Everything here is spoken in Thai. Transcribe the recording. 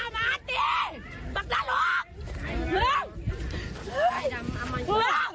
ปกป้อง